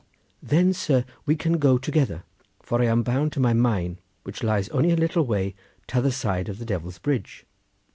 "Then, sir, we can go together, for I am bound to my mine, which lies only a little way t'other side of the Devil's Bridge."